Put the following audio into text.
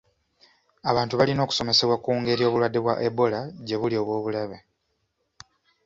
Abantu balina okusomesebwa ku ngeri obulwadde bwa Ebola gye buli obw'obulabe.